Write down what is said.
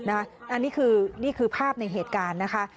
อันนี้คือภาพในเหตุการณ์นะคะ